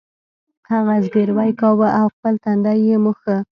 هغه زګیروی کاوه او خپل تندی یې مښه